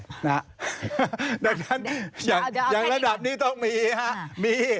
แล้วท่านอย่างระดับนี้ต้องมี